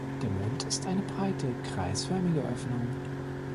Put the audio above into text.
Der Mund ist eine breite, kreisförmige Öffnung.